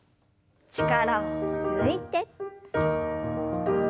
力を抜いて。